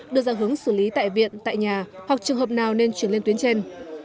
đưa ra hướng xử lý tại viện tại nhà hoặc trường hợp nào nên chuyển lên tuyến trên